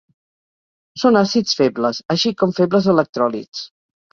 Són àcids febles, així com febles electròlits.